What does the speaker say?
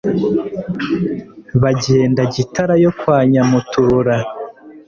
Bagenda Gitara yo kwa Nyamutura